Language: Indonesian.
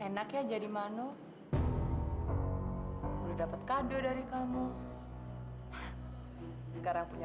sampai jumpa di video selanjutnya